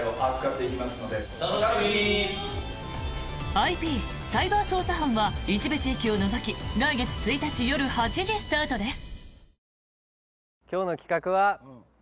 「ＩＰサイバー捜査班」は一部地域を除き来月１日夜８時スタートです。